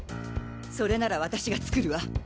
それなら私が作るわ！